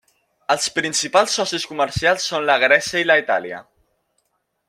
Els principals socis comercials són la Grècia i la Itàlia.